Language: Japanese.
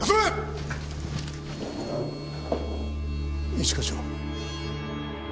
一課長。